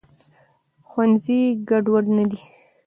ښوونځي ګډوډ نه دی.